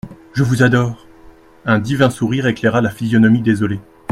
«Je vous adore.» Un divin sourire éclaira la physionomie désolée.